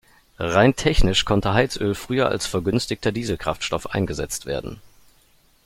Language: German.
Rein technisch konnte Heizöl früher als vergünstigter Dieselkraftstoff eingesetzt werden.